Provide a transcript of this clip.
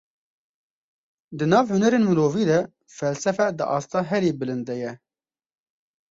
Di nav hunerên mirovî de felsefe di asta herî bilind de ye.